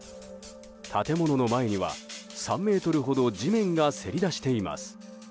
建物の前には３ｍほど地面がせり出しています。